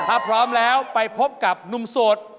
ถ้าพร้อมแล้วไปพบกับหนุ่มโสด